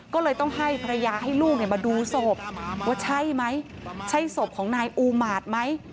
ก็เลยต้องให้ภรรยาให้ลูกมาดูศพว่าใช่ไหมใช่ศพของนายอูมาตไหม